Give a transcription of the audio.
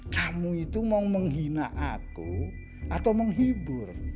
kamu itu mau menghina aku atau menghibur